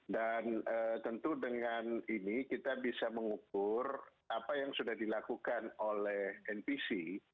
dan tentu dengan ini kita bisa mengukur apa yang sudah dilakukan oleh npc